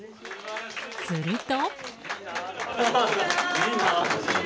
すると。